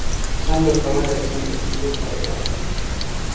څنګه کولی شم د شیدو کاروبار وکړم